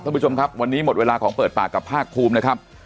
ท่านผู้ชมครับวันนี้หมดเวลาของเปิดปากกับภาคภูมินะครับ